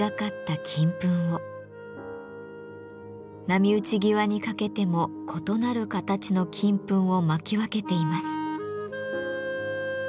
波打ち際にかけても異なる形の金粉を蒔き分けています。